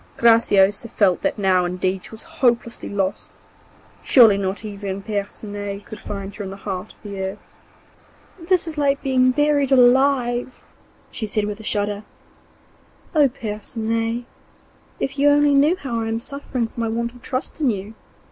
Graciosa felt that now indeed she was hopelessly lost, surely not even Percinet could find her in the heart of the earth. 'This is like being buried alive,' she said with a shudder. 'Oh, Percinet! if you only knew how I am suffering for my want of trust in you!